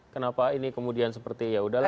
kenapa ini kemudian seperti yaudah lah